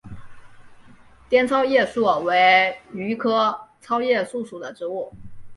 滇糙叶树为榆科糙叶树属的植物。